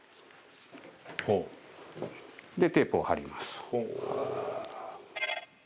でテープを貼ります。